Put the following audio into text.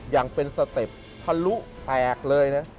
อย่างเป็นสเต็ปทะลุแตกเลยนะ